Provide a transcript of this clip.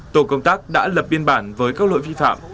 tổ công tác đã lập biên bản với các lỗi vi phạm